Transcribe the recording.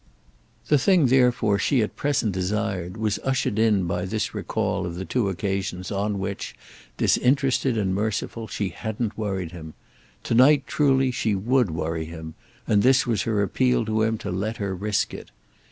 The thing therefore she at present desired was ushered in by this recall of the two occasions on which, disinterested and merciful, she hadn't worried him. To night truly she would worry him, and this was her appeal to him to let her risk it.